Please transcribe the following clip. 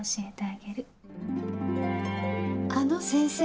あの先生